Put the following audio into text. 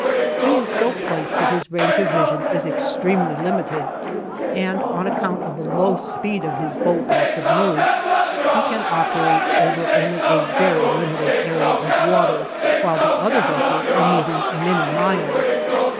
He is so placed that his range of vision is extremely limited, and, on account of the low speed of his boat while submerged, he can operate over only a very limited area of water while the other vessels are moving many miles.